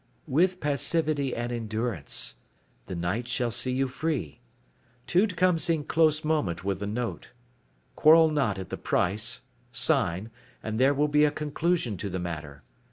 "With passivity and endurance. The night shall see you free. Tude comes in close moment with the note. Quarrel not at the price, sign, and there will be a conclusion to the matter.